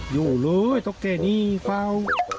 อยู่เลยตรงนี้เฝ้า